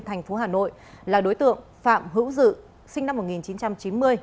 thành phố hà nội là đối tượng phạm hữu dự sinh năm một nghìn chín trăm chín mươi